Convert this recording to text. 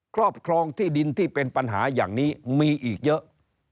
ครอบครองที่ดินที่เป็นปัญหาอย่างนี้มีอีกเยอะ